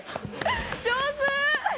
上手！